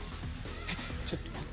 えっちょっと待って。